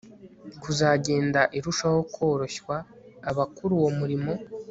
kuzagenda irushaho koroshywa Abakora uwo murimo